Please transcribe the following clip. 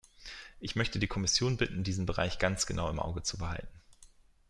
Ich möchte die Kommission bitten, diesen Bereich ganz genau im Auge zu behalten.